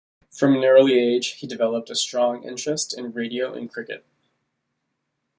From an early age he developed a strong interest in radio and cricket.